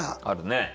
あるね。